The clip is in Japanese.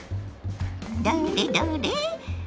どれどれ？